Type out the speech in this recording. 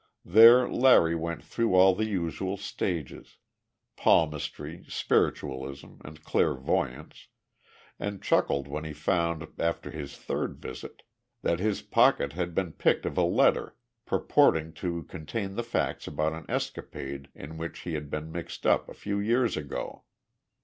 There Larry went through all the usual stages palmistry, spiritualism, and clairvoyance and chuckled when he found, after his third visit, that his pocket had been picked of a letter purporting to contain the facts about an escapade in which he had been mixed up a few years ago.